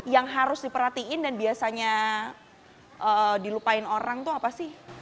yang harus diperhatiin dan biasanya dilupain orang tuh apa sih